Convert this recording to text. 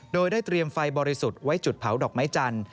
โดยได้เตรียมไฟบริสุทธิ์ไว้จุดเผาดอกไม้จันทร์